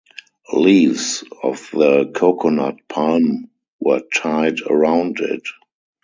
Leaves of the coconut palm were tied around it.